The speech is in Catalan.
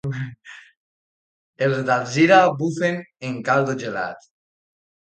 Els d'Alzira bufen en caldo gelat.